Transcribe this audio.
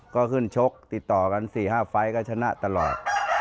ก็ขึ้นชกติดต่อกัน๔๕ไฟล์ก็ชนะตลอด